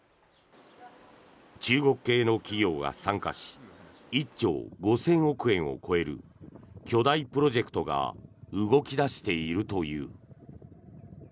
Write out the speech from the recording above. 中国系の企業が参加し１兆５０００億円を超える巨大プロジェクトが動き出しているという。